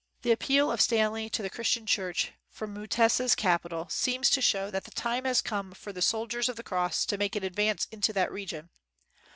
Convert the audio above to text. The appeal of Stanley to the Chris tian Church from Mutesa 's capital, seems to show that the time has come for the sol diers of the cross to make an advance into that region.